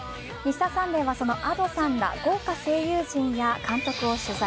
「Ｍｒ．サンデー」はそのＡｄｏさんや豪華声優陣監督を取材。